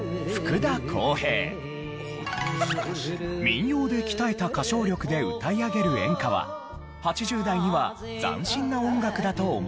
民謡で鍛えた歌唱力で歌い上げる演歌は８０代には斬新な音楽だと思われたようです。